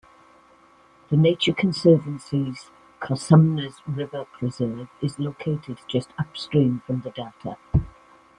The Nature Conservancy's Cosumnes River Preserve is located just upstream from the Delta.